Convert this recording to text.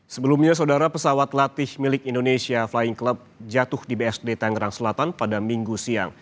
sebelumnya saudara pesawat latih milik indonesia flying club jatuh di bsd tangerang selatan pada minggu siang